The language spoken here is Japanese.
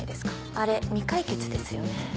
あれ未解決ですよね？